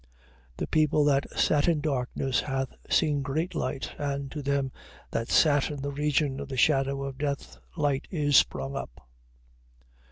The people that sat in darkness, hath seen great light: and to them that sat in the region of the shadow of death, light is sprung up.